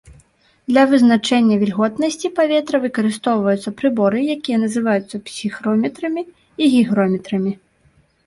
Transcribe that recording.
Для вызначэння вільготнасці паветра выкарыстоўваюцца прыборы, якія называюцца псіхрометрамі і гігрометрамі.